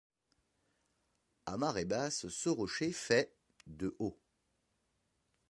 À marée basse, ce rocher fait de haut.